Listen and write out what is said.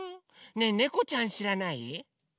ねえねこちゃんしらない？